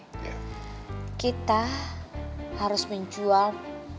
hukuman apa yang harus kita lakukan